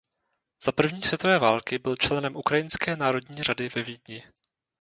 Za první světové války byl členem Ukrajinské národní rady ve Vídni.